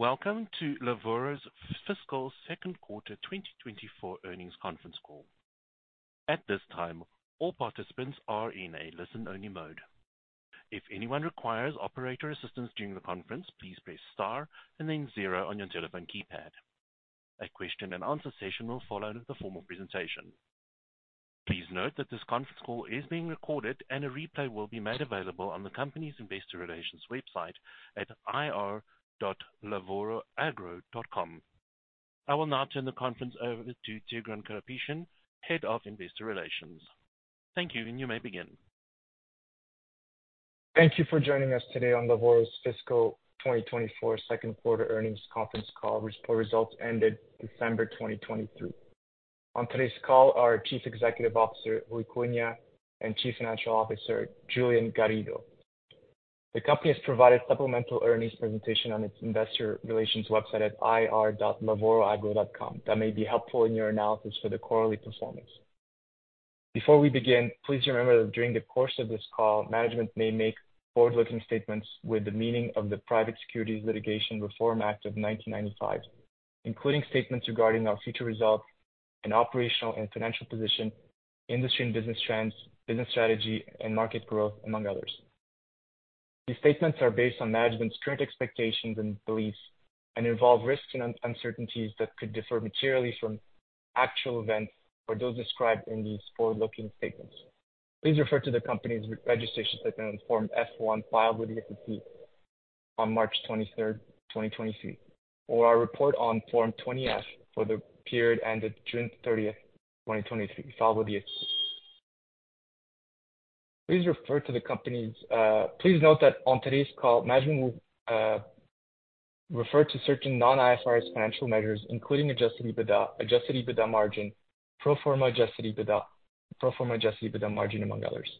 Welcome to Lavoro's Fiscal Second Quarter 2024 Earnings Conference Call. At this time, all participants are in a listen-only mode. If anyone requires operator assistance during the conference, please press star and then 0 on your telephone keypad. A question-and-answer session will follow the formal presentation. Please note that this conference call is being recorded, and a replay will be made available on the company's investor relations website at ir.lavoroagro.com. I will now turn the conference over to Tigran Karapetian, head of investor relations. Thank you, and you may begin. Thank you for joining us today on Lavoro's Fiscal 2024 Second Quarter Earnings Conference Call, which report results ended December 2023. On today's call are Chief Executive Officer Ruy Cunha and Chief Financial Officer Julian Garrido. The company has provided supplemental earnings presentation on its investor relations website at ir.lavoroagro.com. That may be helpful in your analysis for the quarterly performance. Before we begin, please remember that during the course of this call, management may make forward-looking statements with the meaning of the Private Securities Litigation Reform Act of 1995, including statements regarding our future results and operational and financial position, industry and business trends, business strategy, and market growth, among others. These statements are based on management's current expectations and beliefs and involve risks and uncertainties that could differ materially from actual events or those described in these forward-looking statements. Please refer to the company's registration statement on Form F-1 filed with the SEC on March 23rd, 2023, or our report on Form 20-F for the period ended June 30th, 2023, filed with the SEC. Please note that on today's call, management will refer to certain non-IFRS financial measures, including adjusted EBITDA, adjusted EBITDA margin, pro forma adjusted EBITDA, pro forma adjusted EBITDA margin, among others.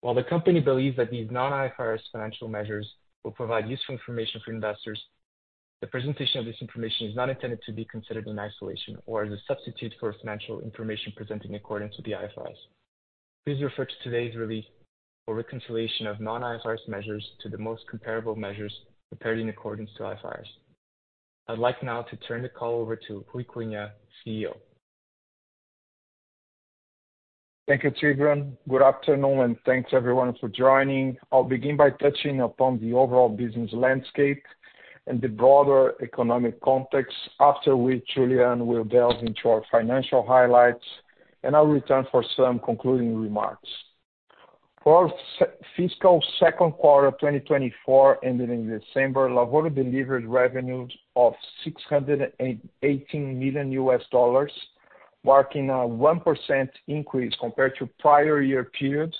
While the company believes that these non-IFRS financial measures will provide useful information for investors, the presentation of this information is not intended to be considered in isolation or as a substitute for financial information presented in accordance with the IFRS. Please refer to today's release for reconciliation of non-IFRS measures to the most comparable measures prepared in accordance with IFRS. I'd like now to turn the call over to Ruy Cunha, CEO. Thank you, Tigran. Good afternoon, and thanks everyone for joining. I'll begin by touching upon the overall business landscape and the broader economic context, after which Julian will delve into our financial highlights, and I'll return for some concluding remarks. For fiscal second quarter 2024, ending in December, Lavoro delivered revenues of $618 million, marking a 1% increase compared to prior year periods,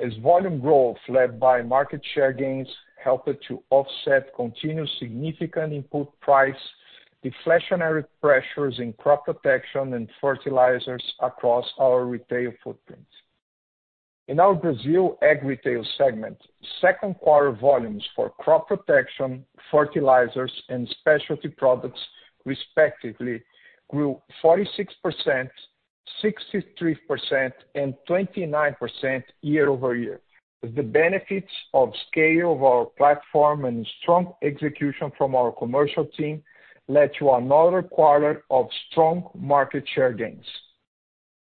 as volume growth led by market share gains helped to offset continuous significant input price deflationary pressures in crop protection and fertilizers across our retail footprint. In our Brazil ag retail segment, second quarter volumes for crop protection, fertilizers, and specialty products, respectively, grew 46%, 63%, and 29% year over year. The benefits of scale of our platform and strong execution from our commercial team led to another quarter of strong market share gains.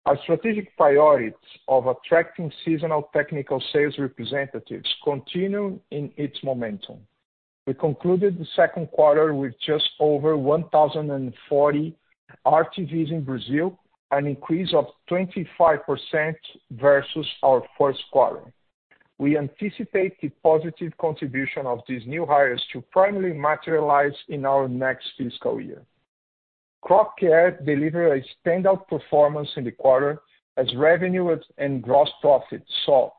Our strategic priorities of attracting seasonal technical sales representatives continue in its momentum. We concluded the second quarter with just over 1,040 RTVs in Brazil, an increase of 25% versus our first quarter. We anticipate the positive contribution of these new hires to finally materialize in our next fiscal year. Crop Care delivered a standout performance in the quarter, as revenue and gross profit saw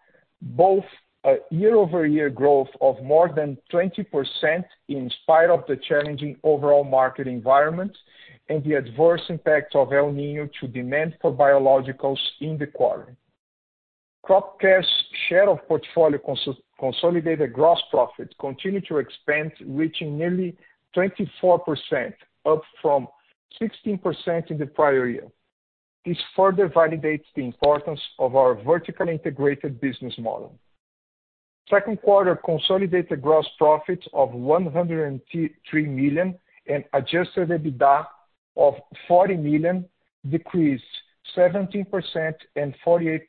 both a year-over-year growth of more than 20% in spite of the challenging overall market environment and the adverse impact of El Niño to demand for biologicals in the quarter. Crop Care's share of portfolio consolidated gross profit continued to expand, reaching nearly 24%, up from 16% in the prior year. This further validates the importance of our vertically integrated business model. Second quarter consolidated gross profit of $103 million and Adjusted EBITDA of $40 million decreased 17% and 48%,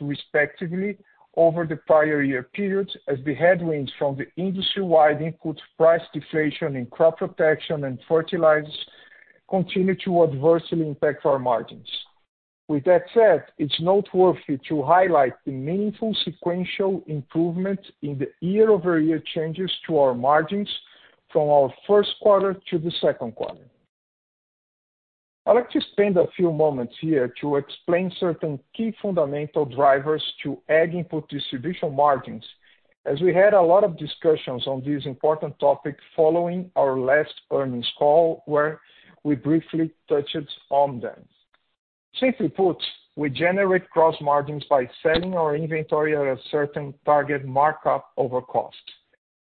respectively, over the prior-year period, as the headwinds from the industry-wide input price deflation in crop protection and fertilizers continue to adversely impact our margins. With that said, it's noteworthy to highlight the meaningful sequential improvement in the year-over-year changes to our margins from our first quarter to the second quarter. I'd like to spend a few moments here to explain certain key fundamental drivers to ag input distribution margins, as we had a lot of discussions on this important topic following our last earnings call, where we briefly touched on them. Simply put, we generate gross margins by selling our inventory at a certain target markup over cost.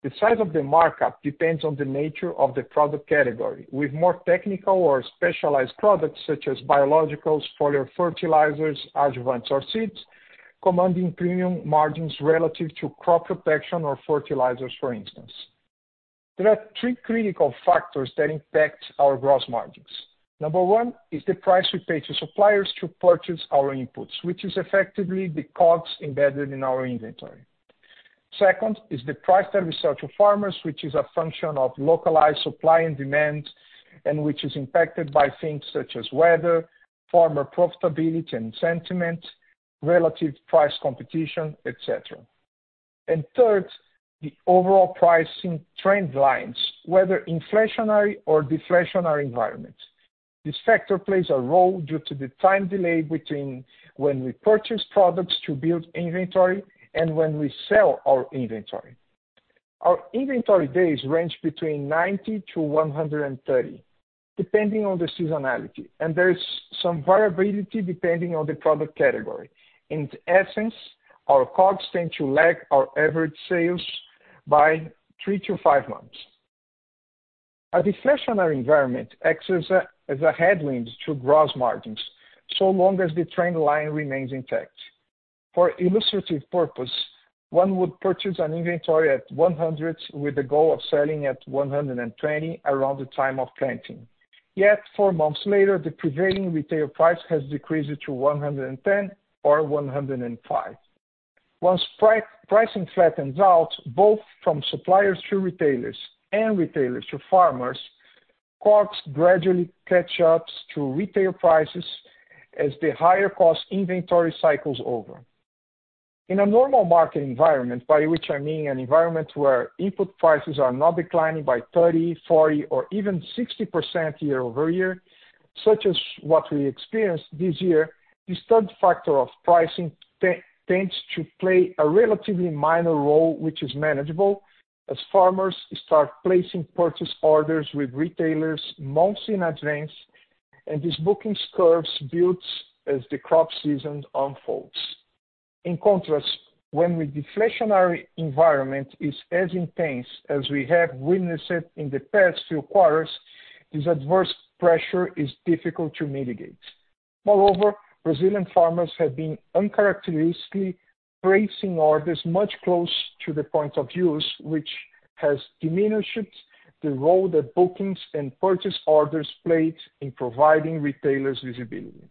The size of the markup depends on the nature of the product category. With more technical or specialized products, such as biologicals, foliar fertilizers, adjuvants, or seeds, commanding premium margins relative to crop protection or fertilizers, for instance. There are three critical factors that impact our gross margins. Number one is the price we pay to suppliers to purchase our inputs, which is effectively the COGS embedded in our inventory. Second is the price that we sell to farmers, which is a function of localized supply and demand and which is impacted by things such as weather, farmer profitability and sentiment, relative price competition, etc. And third, the overall pricing trend lines, whether inflationary or deflationary environment. This factor plays a role due to the time delay between when we purchase products to build inventory and when we sell our inventory. Our inventory days range between 90-130, depending on the seasonality, and there is some variability depending on the product category. In essence, our COGS tend to lag our average sales by 3-5 months. A deflationary environment acts as a headwind to gross margins so long as the trend line remains intact. For illustrative purposes, one would purchase an inventory at 100 with the goal of selling at 120 around the time of planting. Yet, 4 months later, the prevailing retail price has decreased to 110 or 105. Once pricing flattens out, both from suppliers to retailers and retailers to farmers, COGS gradually catch up to retail prices as the higher-cost inventory cycle's over. In a normal market environment, by which I mean an environment where input prices are not declining by 30%, 40%, or even 60% year-over-year, such as what we experienced this year, this third factor of pricing tends to play a relatively minor role, which is manageable, as farmers start placing purchase orders with retailers most in advance, and these booking curves build as the crop season unfolds. In contrast, when the deflationary environment is as intense as we have witnessed in the past few quarters, this adverse pressure is difficult to mitigate. Moreover, Brazilian farmers have been uncharacteristically placing orders much closer to the point of use, which has diminished the role that bookings and purchase orders played in providing retailers visibility.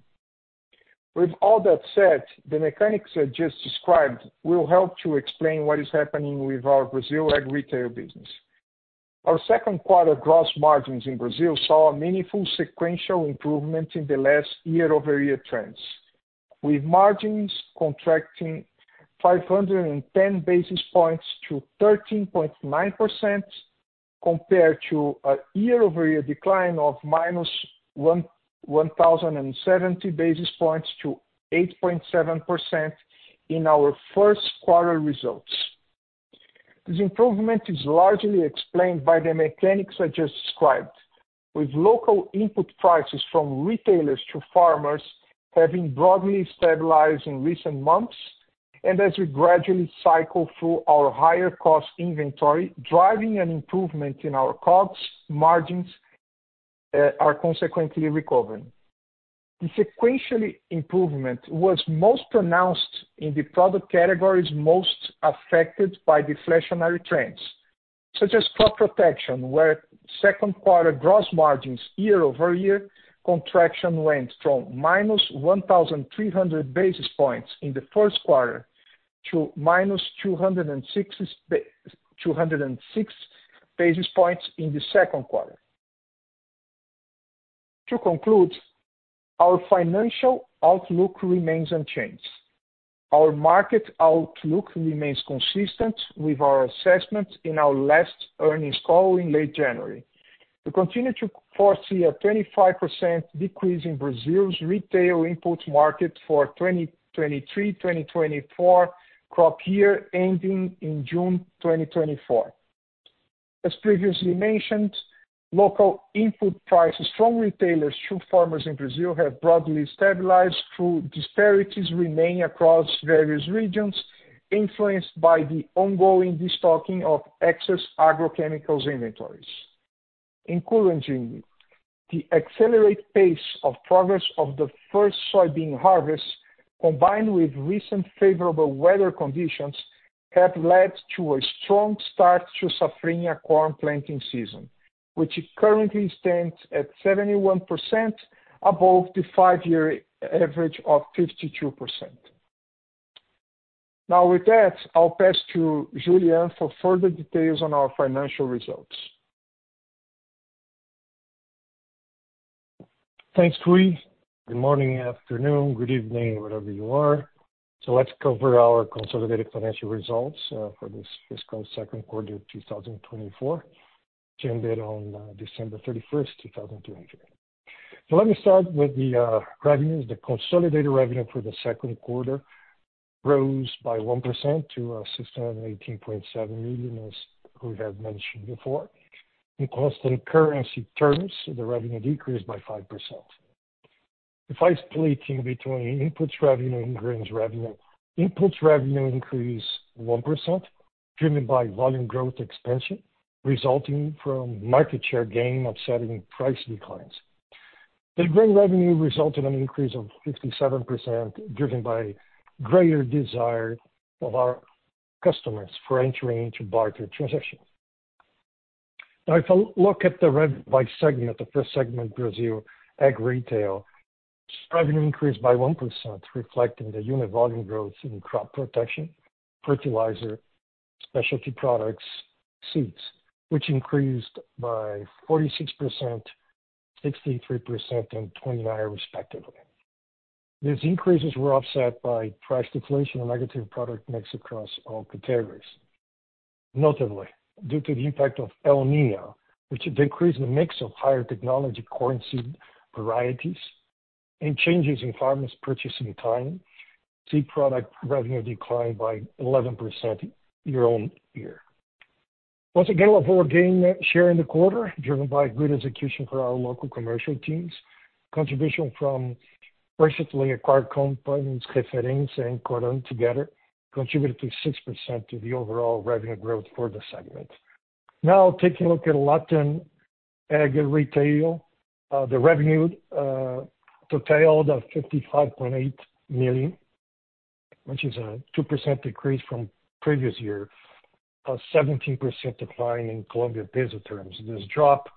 With all that said, the mechanics I just described will help to explain what is happening with our Brazil ag retail business. Our second quarter gross margins in Brazil saw a meaningful sequential improvement in the last year-over-year trends, with margins contracting 510 basis points to 13.9% compared to a year-over-year decline of -1,070 basis points to 8.7% in our first quarter results. This improvement is largely explained by the mechanics I just described, with local input prices from retailers to farmers having broadly stabilized in recent months, and as we gradually cycle through our higher-cost inventory, driving an improvement in our COGS. Margins are consequently recovering. The sequential improvement was most pronounced in the product categories most affected by deflationary trends, such as crop protection, where second quarter gross margins year-over-year contraction went from -1,300 basis points in the first quarter to -206 basis points in the second quarter. To conclude, our financial outlook remains unchanged. Our market outlook remains consistent with our assessment in our last earnings call in late January. We continue to foresee a 25% decrease in Brazil's retail input market for 2023-2024 crop year ending in June 2024. As previously mentioned, local input prices from retailers to farmers in Brazil have broadly stabilized, though disparities remaining across various regions, influenced by the ongoing destocking of excess agrochemicals inventories. In conclusion, the accelerated pace of progress of the first soybean harvest, combined with recent favorable weather conditions, have led to a strong start to Safrinha corn planting season, which currently stands at 71% above the five-year average of 52%. Now, with that, I'll pass to Julian for further details on our financial results. Thanks, Ruy. Good morning, afternoon, good evening, wherever you are. So let's cover our consolidated financial results for this fiscal second quarter 2024, ended on December 31st, 2023. So let me start with the revenues. The consolidated revenue for the second quarter rose by 1% to $618.7 million, as we have mentioned before. In constant currency terms, the revenue decreased by 5%. If I split in between inputs revenue and grains revenue, inputs revenue increased 1% driven by volume growth expansion resulting from market share gain upsetting price declines. The grain revenue resulted in an increase of 57% driven by greater desire of our customers for entering into barter transactions. Now, if I look at the revenue by segment, the first segment, Brazil ag retail, revenue increased by 1%, reflecting the unit volume growth in crop protection, fertilizer, specialty products, seeds, which increased by 46%, 63%, and 29%, respectively. These increases were offset by price deflation and negative product mix across all categories, notably due to the impact of El Niño, which decreased the mix of higher technology corn seed varieties and changes in farmers' purchasing time. Seed product revenue declined by 11% year-on-year. Once again, Lavoro gained share in the quarter, driven by good execution for our local commercial teams. Contribution from recently acquired companies Referência and Coram together contributed 6% to the overall revenue growth for the segment. Now, taking a look at Latin ag retail, the revenue totaled $55.8 million, which is a 2% decrease from previous year, a 17% decline in Colombian peso terms. This drop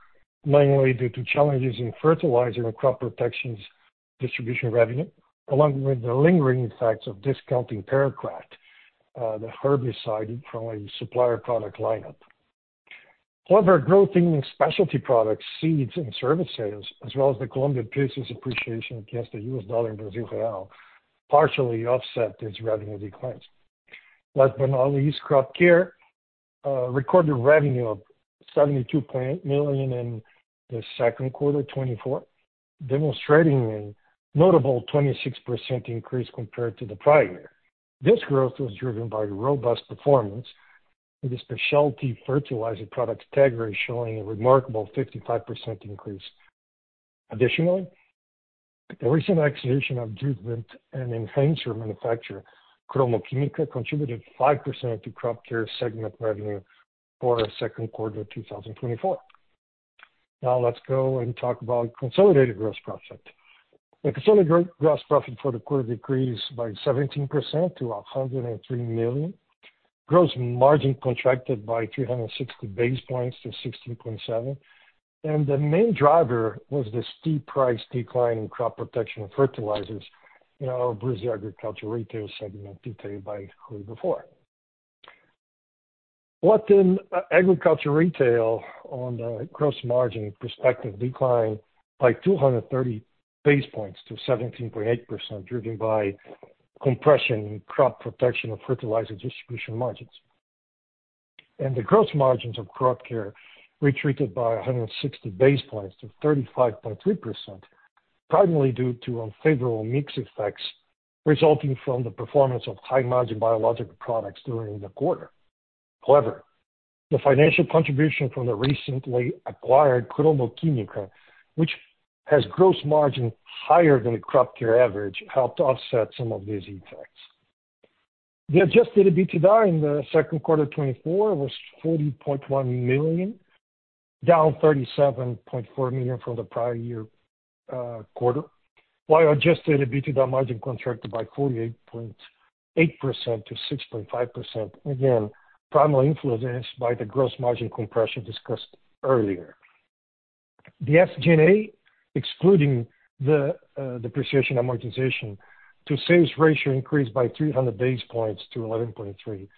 mainly due to challenges in fertilizer and crop protections distribution revenue, along with the lingering effects of discounting paraquat, the herbicide from a supplier product lineup. However, growth in specialty products, seeds, and service sales, as well as the Colombian peso's appreciation against the US dollar and Brazilian real, partially offset this revenue decline. Last but not least, Crop Care recorded revenue of $72.8 million in the second quarter 2024, demonstrating a notable 26% increase compared to the prior year. This growth was driven by robust performance in the specialty fertilizer products category, showing a remarkable 55% increase. Additionally, the recent acquisition of adjuvant and enhancer manufacturer Cromo Química contributed 5% to Crop Care segment revenue for second quarter 2024. Now, let's go and talk about consolidated gross profit. The consolidated gross profit for the quarter decreased by 17% to $103 million, gross margin contracted by 360 basis points to 16.7%, and the main driver was the steep price decline in crop protection and fertilizers in our Brazil agriculture retail segment detailed by Ruy before. Latin agriculture retail on the gross margin perspective declined by 230 basis points to 17.8%, driven by compression in crop protection and fertilizer distribution margins. The gross margins of Crop Care retreated by 160 basis points to 35.3%, primarily due to unfavorable mix effects resulting from the performance of high-margin biological products during the quarter. However, the financial contribution from the recently acquired Cromo Química, which has gross margin higher than the Crop Care average, helped offset some of these effects. The Adjusted EBITDA in the second quarter, 2024, was $40.1 million, down $37.4 million from the prior year quarter, while adjusted EBITDA margin contracted by 48.8% to 6.5%, again, primarily influenced by the gross margin compression discussed earlier. The SG&A, excluding the depreciation amortization, to sales ratio increased by 300 basis points to 11.3%,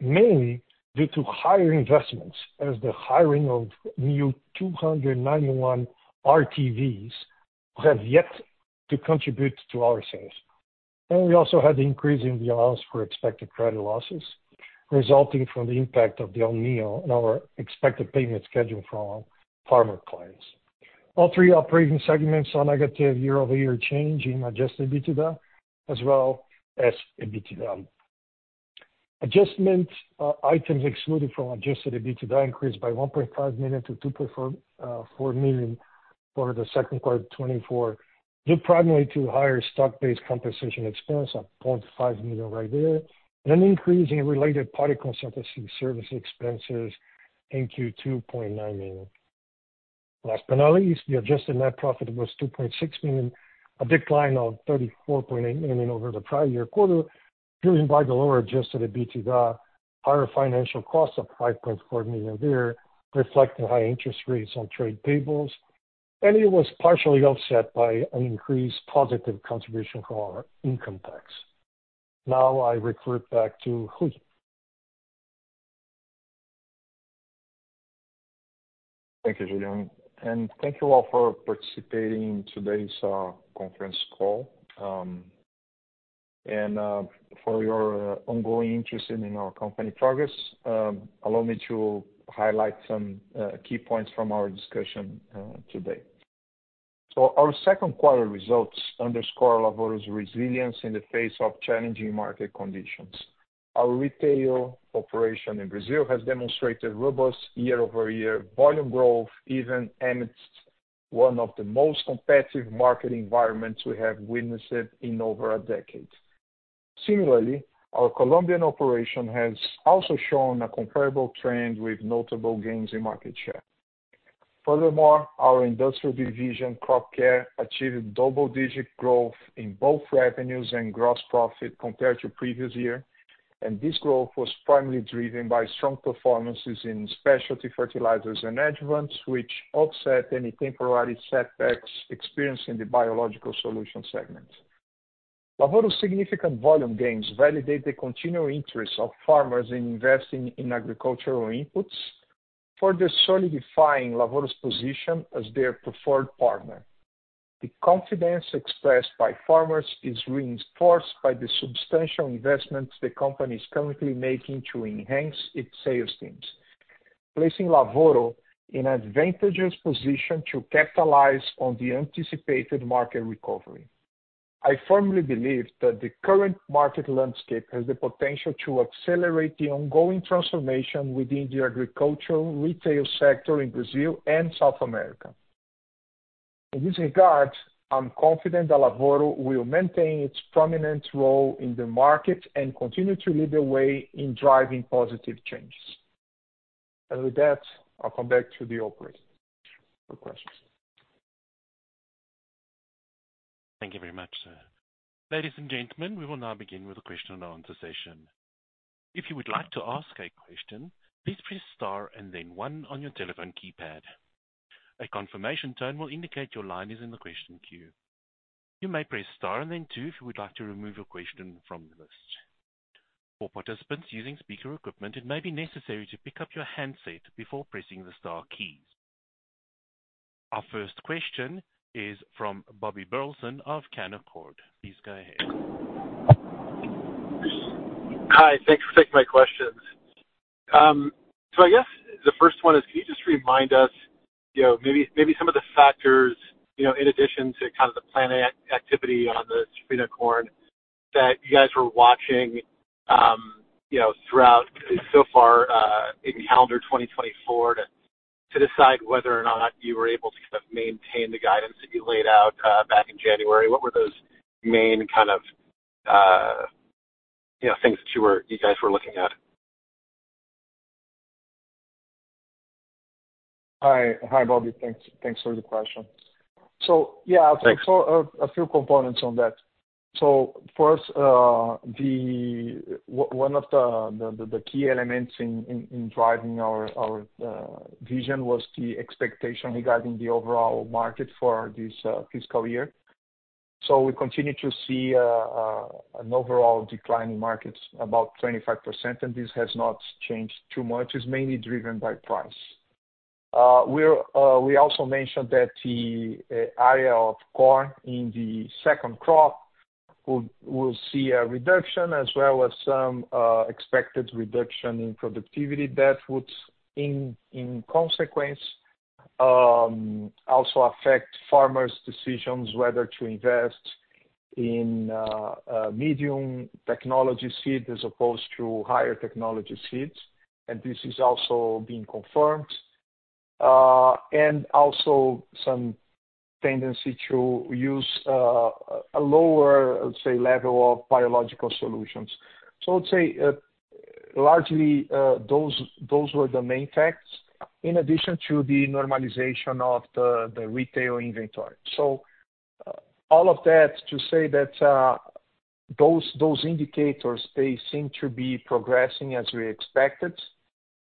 mainly due to higher investments as the hiring of new 291 RTVs who have yet to contribute to our sales. We also had the increase in the allowance for expected credit losses resulting from the impact of the El Niño on our expected payment schedule from farmer clients. All three operating segments are negative year-over-year change in adjusted EBITDA, as well as EBITDA. Adjustment items excluded from adjusted EBITDA increased by $1.5 million to $2.4 million for the second quarter, 2024, due primarily to higher stock-based compensation expense of $0.5 million right there, and an increase in related party consultancy service expenses into $2.9 million. Last but not least, the adjusted net profit was $2.6 million, a decline of $34.8 million over the prior-year quarter, driven by the lower Adjusted EBITDA, higher financial costs of $5.4 million there, reflecting high interest rates on trade payables, and it was partially offset by an increased positive contribution from our income tax. Now, I hand back to Ruy. Thank you, Julian. Thank you all for participating in today's conference call. For your ongoing interest in our company progress, allow me to highlight some key points from our discussion today. Our second quarter results underscore Lavoro's resilience in the face of challenging market conditions. Our retail operation in Brazil has demonstrated robust year-over-year volume growth even amidst one of the most competitive market environments we have witnessed in over a decade. Similarly, our Colombian operation has also shown a comparable trend with notable gains in market share. Furthermore, our industrial division, Crop Care, achieved double-digit growth in both revenues and gross profit compared to previous year, and this growth was primarily driven by strong performances in specialty fertilizers and adjuvants, which offset any temporary setbacks experienced in the biological solution segment. Lavoro's significant volume gains validate the continual interest of farmers in investing in agricultural inputs further solidifying Lavoro's position as their preferred partner. The confidence expressed by farmers is reinforced by the substantial investments the company is currently making to enhance its sales teams, placing Lavoro in an advantageous position to capitalize on the anticipated market recovery. I firmly believe that the current market landscape has the potential to accelerate the ongoing transformation within the agricultural retail sector in Brazil and South America. In this regard, I'm confident that Lavoro will maintain its prominent role in the market and continue to lead the way in driving positive changes. And with that, I'll come back to the operator for questions. Thank you very much. Ladies and gentlemen, we will now begin with a question-and-answer session. If you would like to ask a question, please press star and then one on your telephone keypad. A confirmation tone will indicate your line is in the question queue. You may press star and then two if you would like to remove your question from the list. For participants using speaker equipment, it may be necessary to pick up your handset before pressing the star keys. Our first question is from Bobby Burleson of Canaccord. Please go ahead. Hi. Thanks for taking my questions. So I guess the first one is, can you just remind us maybe some of the factors in addition to kind of the planting activity on the Safrinha corn that you guys were watching throughout so far in calendar 2024 to decide whether or not you were able to kind of maintain the guidance that you laid out back in January? What were those main kind of things that you guys were looking at? Hi, Bobby. Thanks for the question. So yeah, I'll talk a few components on that. So first, one of the key elements in driving our vision was the expectation regarding the overall market for this fiscal year. So we continue to see an overall decline in markets, about 25%, and this has not changed too much. It's mainly driven by price. We also mentioned that the area of corn in the second crop will see a reduction as well as some expected reduction in productivity that would, in consequence, also affect farmers' decisions whether to invest in medium technology seeds as opposed to higher technology seeds. And this is also being confirmed. And also some tendency to use a lower, I would say, level of biological solutions. So I would say largely those were the main facts in addition to the normalization of the retail inventory. All of that to say that those indicators, they seem to be progressing as we expected.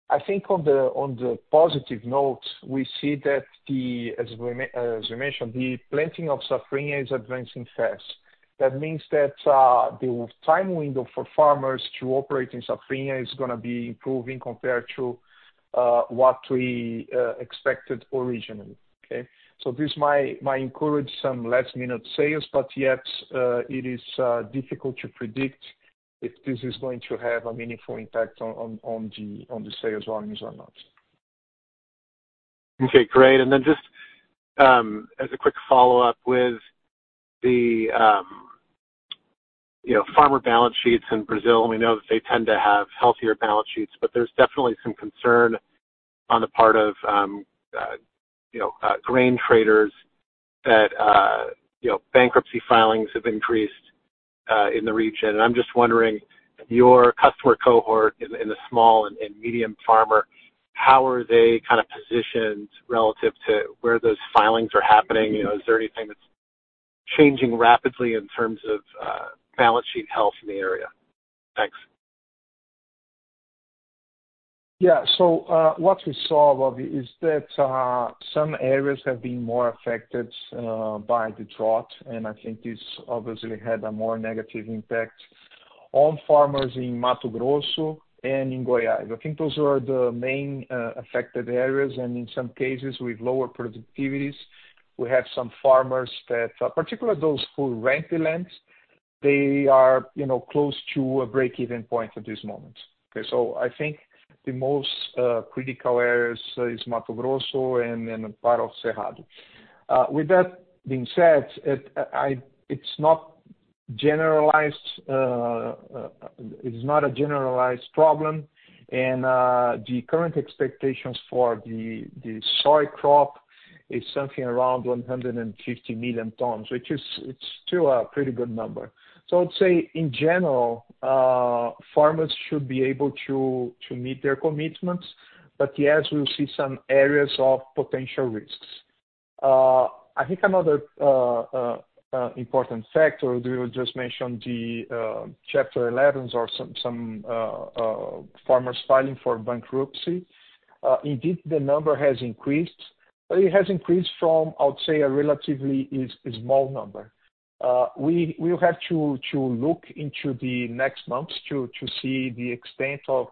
I think on the positive note, we see that, as we mentioned, the planting of Safrinha is advancing fast. That means that the time window for farmers to operate in Safrinha is going to be improving compared to what we expected originally. Okay? This might encourage some last-minute sales, but yet it is difficult to predict if this is going to have a meaningful impact on the sales volumes or not. Okay. Great. And then just as a quick follow-up with the farmer balance sheets in Brazil, we know that they tend to have healthier balance sheets, but there's definitely some concern on the part of grain traders that bankruptcy filings have increased in the region. And I'm just wondering, your customer cohort in the small and medium farmer, how are they kind of positioned relative to where those filings are happening? Is there anything that's changing rapidly in terms of balance sheet health in the area? Thanks. Yeah. So what we saw, Bobby, is that some areas have been more affected by the drought, and I think this obviously had a more negative impact on farmers in Mato Grosso and in Goiás. I think those were the main affected areas. In some cases with lower productivities, we have some farmers that, particularly those who rent the lands, they are close to a break-even point at this moment. Okay? So I think the most critical areas is Mato Grosso and then part of Cerrado. With that being said, it's not generalized, it's not a generalized problem. The current expectations for the soy crop is something around 150 million tons, which is still a pretty good number. So I would say, in general, farmers should be able to meet their commitments, but yes, we'll see some areas of potential risks. I think another important factor, we will just mention the Chapter 11s or some farmers filing for bankruptcy. Indeed, the number has increased, but it has increased from, I would say, a relatively small number. We'll have to look into the next months to see the extent of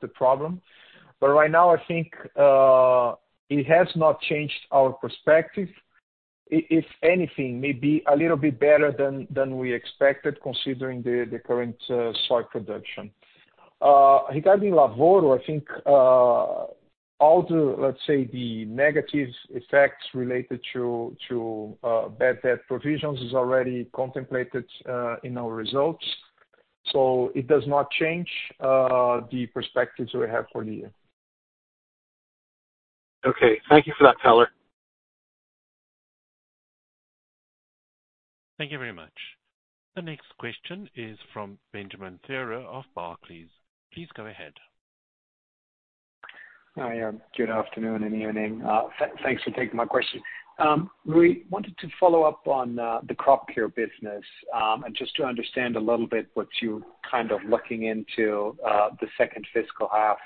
the problem. But right now, I think it has not changed our perspective. If anything, maybe a little bit better than we expected considering the current soy production. Regarding Lavoro, I think all the, let's say, the negative effects related to bad debt provisions is already contemplated in our results. So it does not change the perspectives we have for the year. Okay. Thank you for that, Tigran. Thank you very much. The next question is from Benjamin Theurer of Barclays. Please go ahead. Hi, yeah. Good afternoon and evening. Thanks for taking my question. Ruy, wanted to follow up on the crop care business and just to understand a little bit what you kind of looking into the second fiscal half.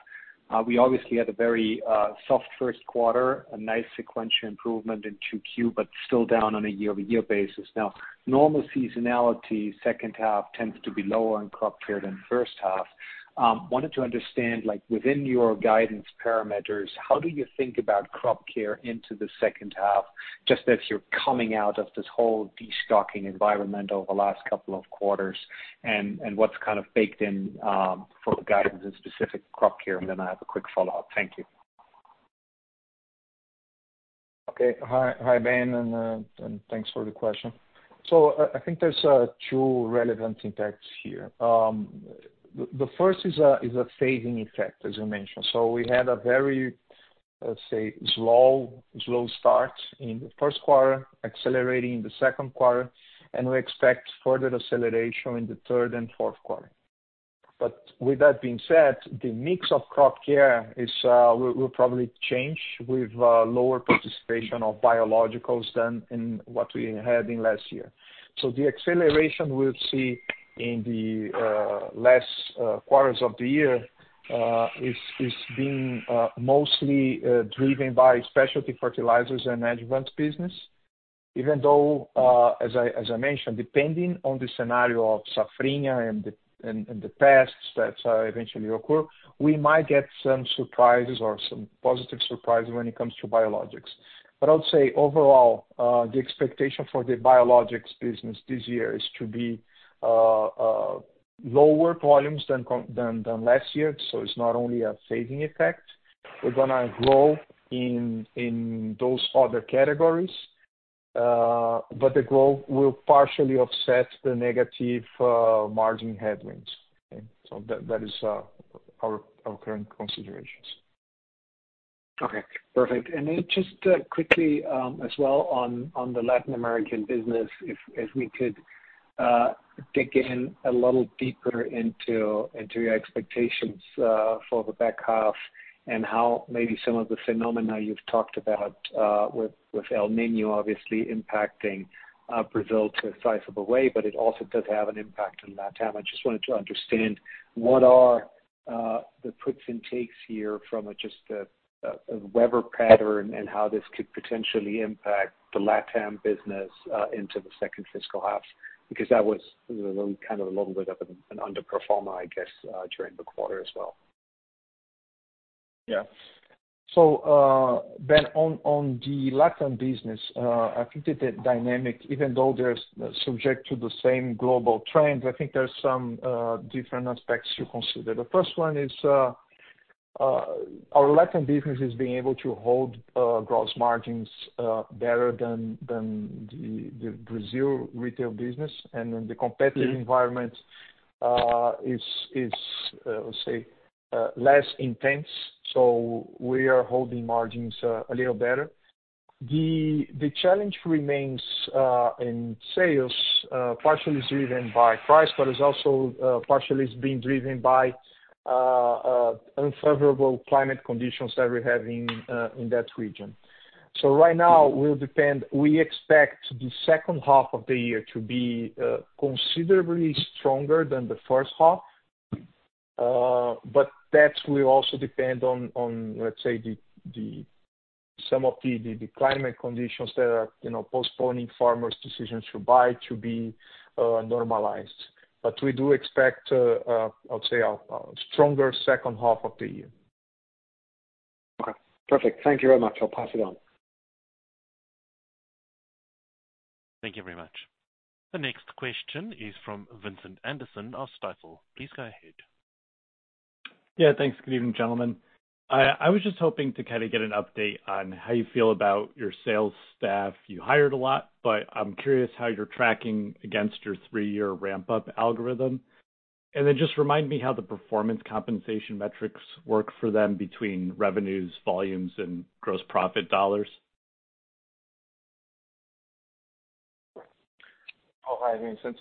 We obviously had a very soft first quarter, a nice sequential improvement in QQ, but still down on a year-over-year basis. Now, normal seasonality, second half, tends to be lower in crop care than first half. Wanted to understand, within your guidance parameters, how do you think about crop care into the second half just as you're coming out of this whole destocking environment over the last couple of quarters and what's kind of baked in for guidance in specific crop care? And then I have a quick follow-up. Thank you. Okay. Hi, Ben, and thanks for the question. So I think there's two relevant impacts here. The first is a phasing effect, as you mentioned. So we had a very, let's say, slow start in the first quarter, accelerating in the second quarter, and we expect further acceleration in the third and fourth quarter. But with that being said, the mix of Crop Care will probably change with lower participation of biologicals than in what we had in last year. So the acceleration we'll see in the last quarters of the year is being mostly driven by specialty fertilizers and adjuvant business. Even though, as I mentioned, depending on the scenario of Safrinha and the pests that eventually occur, we might get some surprises or some positive surprises when it comes to biologics. I would say, overall, the expectation for the biologics business this year is to be lower volumes than last year. It's not only a phasing effect. We're going to grow in those other categories, but the growth will partially offset the negative margin headwinds. Okay? That is our current considerations. Okay. Perfect. Then just quickly as well on the Latin American business, if we could dig in a little deeper into your expectations for the back half and how maybe some of the phenomena you've talked about with El Niño, obviously, impacting Brazil to a sizable way, but it also does have an impact in LATAM. I just wanted to understand what are the puts and takes here from just the weather pattern and how this could potentially impact the LATAM business into the second fiscal half because that was kind of a little bit of an underperformer, I guess, during the quarter as well. Yeah. So, Ben, on the LATAM business, I think that the dynamic, even though they're subject to the same global trends, I think there's some different aspects to consider. The first one is our LATAM business is being able to hold gross margins better than the Brazil retail business, and then the competitive environment is, I would say, less intense. So we are holding margins a little better. The challenge remains in sales, partially driven by price, but it's also partially being driven by unfavorable climate conditions that we're having in that region. So right now, we'll depend we expect the second half of the year to be considerably stronger than the first half, but that will also depend on, let's say, some of the climate conditions that are postponing farmers' decisions to buy to be normalized. We do expect, I would say, a stronger second half of the year. Okay. Perfect. Thank you very much. I'll pass it on. Thank you very much. The next question is from Vincent Anderson of Stifel. Please go ahead. Yeah. Thanks. Good evening, gentlemen. I was just hoping to kind of get an update on how you feel about your sales staff. You hired a lot, but I'm curious how you're tracking against your three-year ramp-up algorithm. And then just remind me how the performance compensation metrics work for them between revenues, volumes, and gross profit dollars. Oh, hi. Vincent.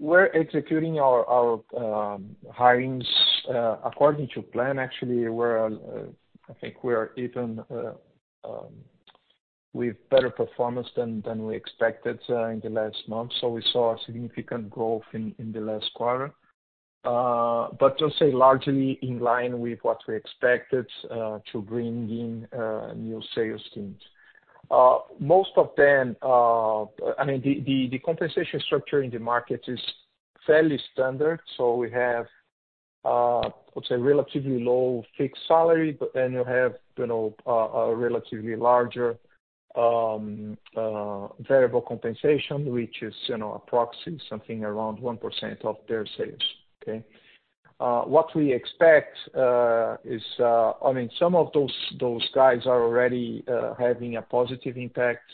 We're executing our hirings according to plan, actually. I think we're even with better performance than we expected in the last month. So we saw a significant growth in the last quarter, but I would say largely in line with what we expected to bring in new sales teams. Most of them, I mean, the compensation structure in the market is fairly standard. So we have, I would say, relatively low fixed salary, but then you have a relatively larger variable compensation, which is approximately something around 1% of their sales. Okay? What we expect is, I mean, some of those guys are already having a positive impact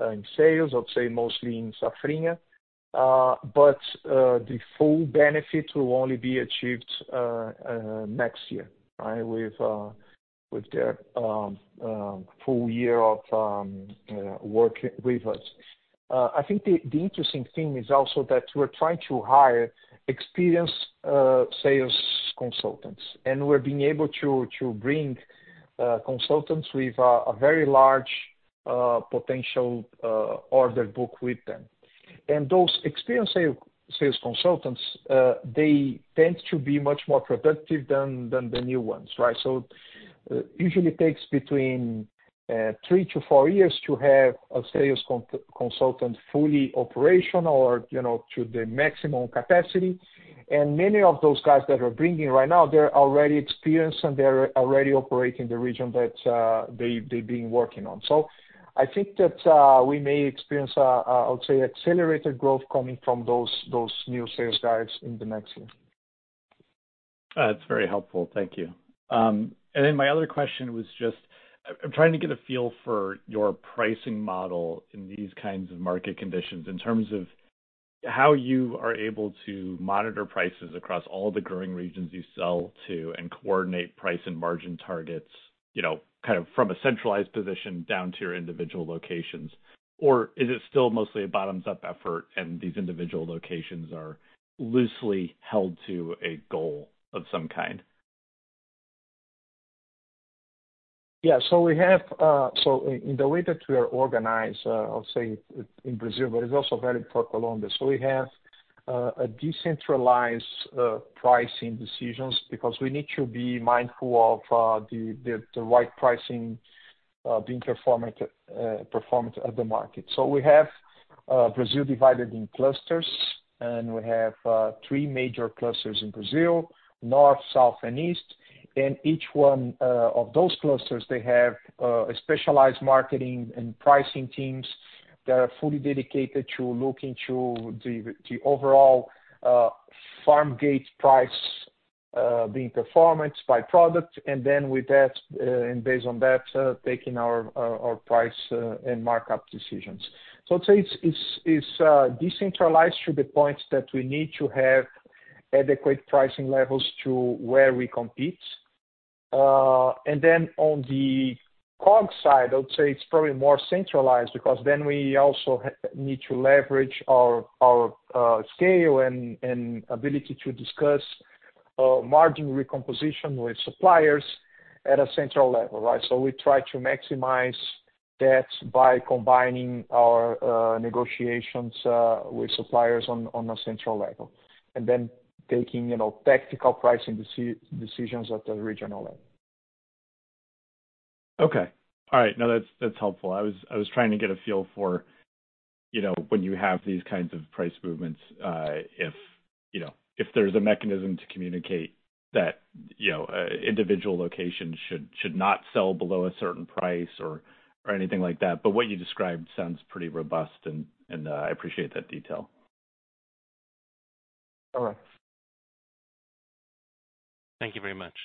in sales, I would say, mostly in Safrinha, but the full benefit will only be achieved next year, right, with their full year of working with us. I think the interesting thing is also that we're trying to hire experienced sales consultants, and we're being able to bring consultants with a very large potential order book with them. And those experienced sales consultants, they tend to be much more productive than the new ones, right? So it usually takes between 3-4 years to have a sales consultant fully operational or to the maximum capacity. And many of those guys that are bringing right now, they're already experienced, and they're already operating the region that they've been working on. So I think that we may experience, I would say, accelerated growth coming from those new sales guys in the next year. That's very helpful. Thank you. And then my other question was just I'm trying to get a feel for your pricing model in these kinds of market conditions in terms of how you are able to monitor prices across all the growing regions you sell to and coordinate price and margin targets kind of from a centralized position down to your individual locations, or is it still mostly a bottoms-up effort and these individual locations are loosely held to a goal of some kind? Yeah. So in the way that we are organized, I would say, in Brazil, but it's also valid for Colombia. So we have decentralized pricing decisions because we need to be mindful of the right pricing being performed at the market. So we have Brazil divided in clusters, and we have three major clusters in Brazil: north, south, and east. And each one of those clusters, they have specialized marketing and pricing teams that are fully dedicated to looking to the overall farm gate price being performed by product, and then with that, and based on that, taking our price and markup decisions. So I would say it's decentralized to the point that we need to have adequate pricing levels to where we compete. And then on the COGS side, I would say it's probably more centralized because then we also need to leverage our scale and ability to discuss margin recomposition with suppliers at a central level, right? So we try to maximize that by combining our negotiations with suppliers on a central level and then taking tactical pricing decisions at the regional level. Okay. All right. No, that's helpful. I was trying to get a feel for when you have these kinds of price movements, if there's a mechanism to communicate that individual locations should not sell below a certain price or anything like that. But what you described sounds pretty robust, and I appreciate that detail. All right. Thank you very much.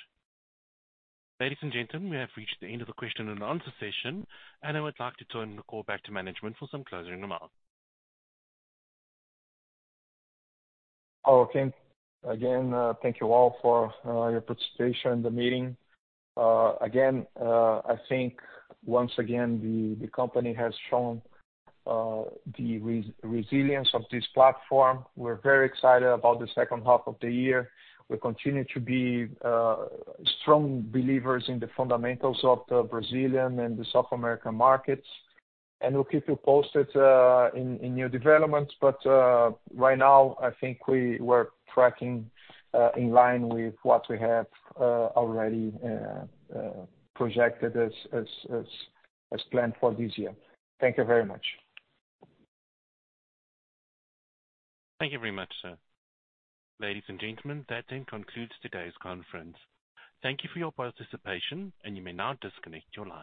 Ladies and gentlemen, we have reached the end of the question-and-answer session, and I would like to turn the call back to management for some closing remarks. Oh, again, thank you all for your participation in the meeting. Again, I think, once again, the company has shown the resilience of this platform. We're very excited about the second half of the year. We continue to be strong believers in the fundamentals of the Brazilian and the South American markets, and we'll keep you posted in new developments. But right now, I think we're tracking in line with what we have already projected as planned for this year. Thank you very much. Thank you very much, sir. Ladies and gentlemen, that then concludes today's conference. Thank you for your participation, and you may now disconnect your line.